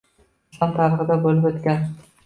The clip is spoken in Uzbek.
Islom tarixida boʻlib oʻtgan.